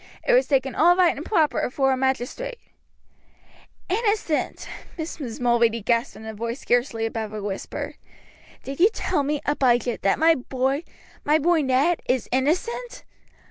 It was taken all right and proper afore a magistrate." "Innocent!" Mrs. Mulready gasped in a voice scarcely above a whisper. "Did you tell me, Abijah, that my boy, my boy Ned, is innocent?"